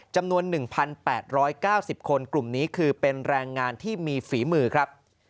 จำนวนหนึ่งพันแปดร้อยเก้าสิบคนกลุ่มนี้คือเป็นแรงงานที่มีฝีมือครับ